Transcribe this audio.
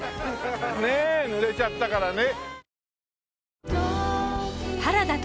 ねえぬれちゃったからね。